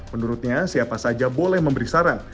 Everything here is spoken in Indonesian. menurutnya siapa saja boleh memberi saran